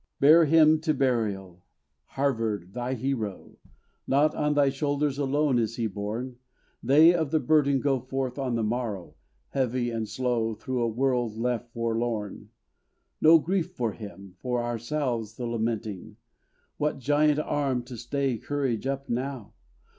Bear him to burial, Harvard, thy hero! Not on thy shoulders alone is he borne; They of the burden go forth on the morrow, Heavy and slow, through a world left forlorn. No grief for him, for ourselves the lamenting; What giant arm to stay courage up now?